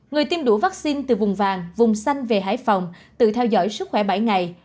người tiêm đủ vaccine từ vùng vàng vùng xanh về hải phòng tự theo dõi sức khỏe bảy ngày